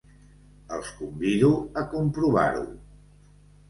Els convido a comprovar-ho.